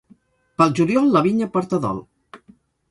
Pel juliol la vinya porta dol.